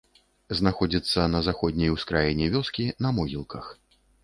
Знаходзіцца на заходняй ускраіне вёскі, на могілках.